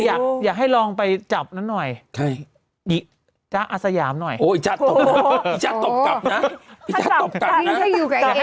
แต่อยากให้ลองไปจับนั้นหน่อย